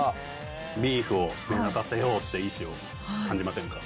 ビーフを目立たせようっていう意思を感じませんか。